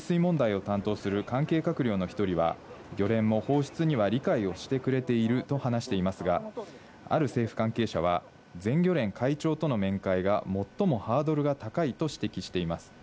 ある処理水問題を担当する関係閣僚の１人は、漁連も放出には理解をしてくれていると話していますが、ある政府関係者は、全漁連会長との面会が最もハードルが高いと指摘しています。